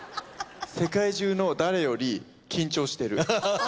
「世界中の誰より緊張してる」。